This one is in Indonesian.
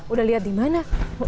udah lihat di mana